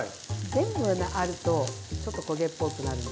全部にあるとちょっと焦げっぽくなるんですけど。